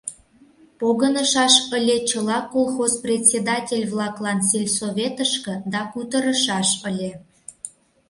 — Погынышаш ыле чыла колхоз председатель-влаклан сельсоветышке да кутырышаш ыле.